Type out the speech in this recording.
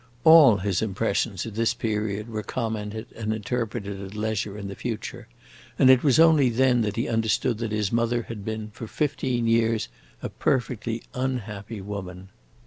All his impressions at this period were commented and interpreted at leisure in the future, and it was only then that he understood that his mother had been for fifteen years a perfectly unhappy woman.